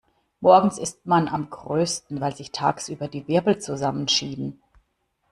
Morgens ist man am größten, weil sich tagsüber die Wirbel zusammenschieben.